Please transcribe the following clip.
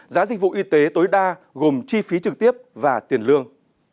giá dịch vụ y tế tối đa gồm chi phí trực tiếp và tiền lương